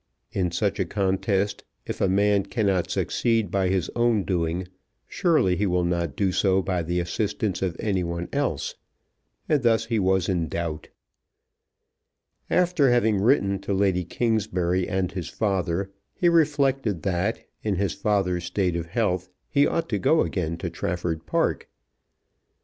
In such a contest, if a man cannot succeed by his own doing, surely he will not do so by the assistance of any one else; and thus he was in doubt. After having written to Lady Kingsbury and his father he reflected that, in his father's state of health, he ought to go again to Trafford Park.